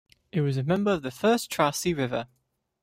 It was a member of the first Traci River.